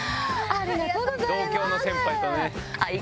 ありがとうございます。